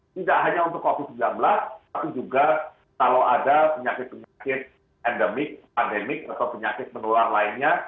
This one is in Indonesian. tidak hanya untuk covid sembilan belas tapi juga kalau ada penyakit penyakit endemik pandemik atau penyakit menular lainnya